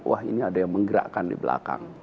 wah ini ada yang menggerakkan di belakang